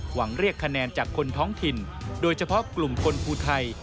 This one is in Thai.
หวังเรียกคะแนนจากคนท้องถิ่นโดยเฉพาะกลุ่มคนภูไทย